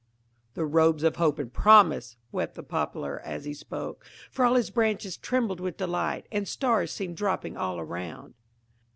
"The robes of hope and promise," wept the Poplar, as he spoke, for all his branches trembled with delight, and stars seemed dropping all around.